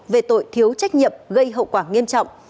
về tội thiếu trách nhiệm gây hậu quả nghiêm trọng